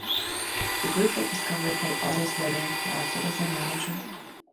The group was discovered by Otis Redding, who acted as their manager.